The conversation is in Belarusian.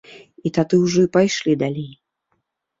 І тады ўжо і пайшлі далей.